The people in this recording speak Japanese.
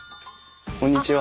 こんにちは。